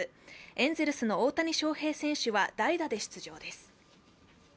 エンゼルスの大谷翔平選手は代打で出場です。